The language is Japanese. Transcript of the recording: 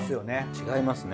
違いますね。